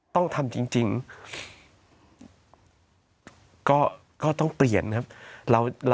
ต้องทำจริงก็ต้องเปลี่ยนครับ